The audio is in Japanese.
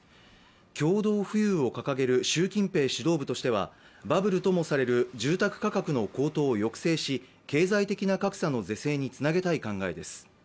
共同富裕を掲げる習近平指導部としては住宅価格の高騰を抑制し経済的な格差の是正につなげたい考えです。